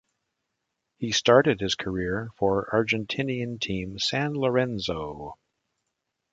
He started his career for Argentinian team San Lorenzo.